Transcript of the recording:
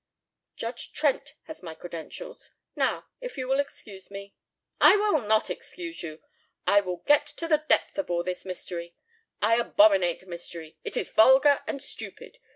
"Judge Trent has my credentials. Now, if you will excuse me " "I will not excuse you. I will get to the depth of all this mystery. I abominate mystery. It is vulgar and stupid.